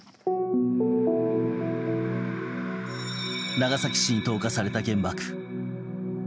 長崎市に投下された原爆。